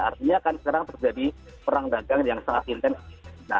artinya kan sekarang terjadi perang dagang yang sangat intensif